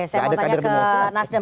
saya mau tanya ke nasdem